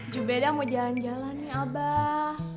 jubeda mau jalan jalan nih abah